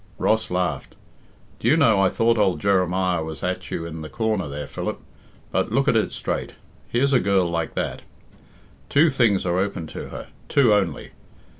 Ross laughed. "Do you know I thought old Jeremiah was at you in the corner there, Philip. But look at it straight. Here's a girl like that. Two things are open to her two only.